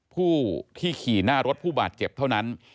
ผู้ที่ขี่หน้ารถผู้บาดเจ็บเท่านั้น